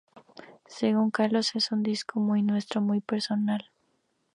Según Carlos, "es un disco muy nuestro, muy personal.